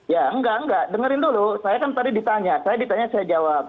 ya enggak enggak dengerin dulu saya kan tadi ditanya saya ditanya saya jawab